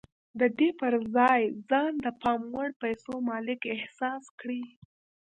د دې پر ځای ځان د پام وړ پيسو مالک احساس کړئ.